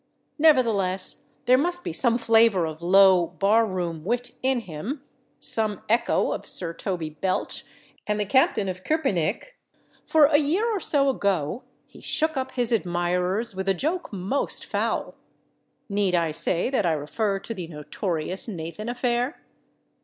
Nevertheless, there must be some flavor of low, barroom wit in him, some echo of Sir Toby Belch and the Captain of Köpenick, for a year or so ago he shook up his admirers with a joke most foul. Need I say that I refer to the notorious Nathan affair?